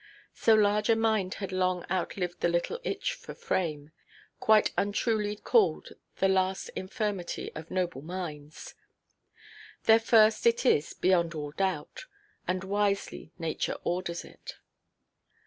So large a mind had long outlived the little itch for fame, quite untruly called "the last infirmity of noble minds." Their first it is, beyond all doubt; and wisely nature orders it.